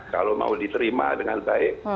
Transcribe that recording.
kalau mau diterima dengan baik